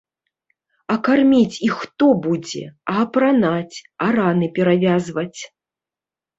А карміць іх хто будзе, а апранаць, а раны перавязваць?